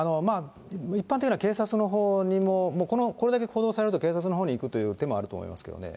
一般的には警察のほうにも、これだけ報道されると、警察のほうに行くという手もありますけどね。